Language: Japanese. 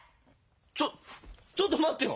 ちょちょっと待ってよ！